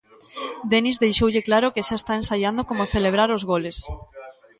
Denis deixoulle claro que xa está ensaiando como celebrar os goles.